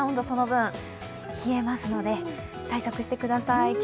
その分、冷えますので対策してください。